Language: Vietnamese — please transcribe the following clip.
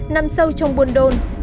nằm sâu trong buôn đôn